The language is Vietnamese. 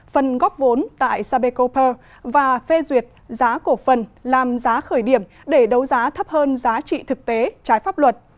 phần góp vốn tại sapeco per và phê duyệt giá cổ phần làm giá khởi điểm để đấu giá thấp hơn giá trị thực tế trái pháp luật